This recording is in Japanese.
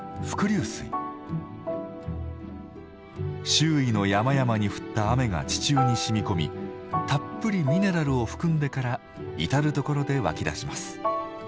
周囲の山々に降った雨が地中にしみこみたっぷりミネラルを含んでから至る所で湧き出します。